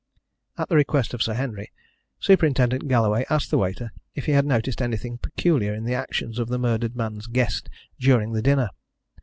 At the request of Sir Henry, Superintendent Galloway asked the waiter if he had noticed anything peculiar in the actions of the murdered man's guest during the dinner.